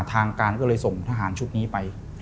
ทางการก็เลยส่งทหารชุดนี้ไป